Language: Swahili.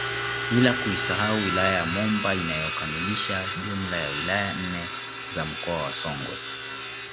Bila kuisahau wilaya ya Momba inayokamilisha jumla ya wilaya nne za mkoa wa Songwe